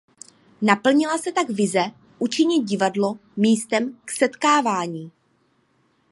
Naplnila se tak vize učinit divadlo místem k setkávání.